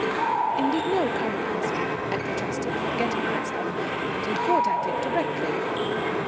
"Indeed no, Colonel Annesley," I protested, forgetting myself; and he caught at it directly.